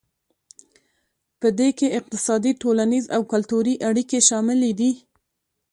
پدې کې اقتصادي ټولنیز او کلتوري اړیکې شاملې دي